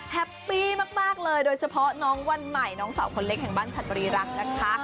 แฮปปี้มากเลยโดยเฉพาะน้องวันใหม่น้องสาวคนเล็กแห่งบ้านฉัตรีรักษ์นะคะ